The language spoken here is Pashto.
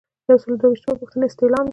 یو سل او دوه شپیتمه پوښتنه استعلام دی.